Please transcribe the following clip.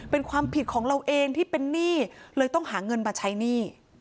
เป็นความผิดของเราเองที่เป็นหนี้เลยต้องหาเงินมาใช้หนี้